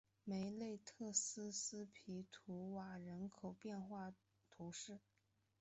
梅内特勒勒皮图瓦人口变化图示